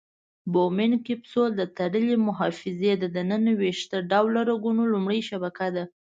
بومن کپسول د تړلې محفظې د ننه د ویښته ډوله رګونو لومړۍ شبکه ده.